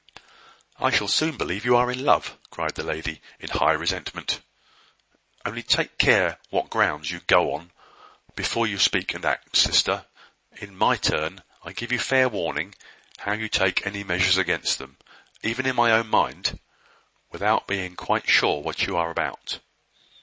"I shall soon believe you are in love," cried the lady, in high resentment. "Only take care what grounds you go upon before you speak and act, sister. In my turn, I give you fair warning how you take any measures against them, even in your own inmost mind, without being quite sure what you are about."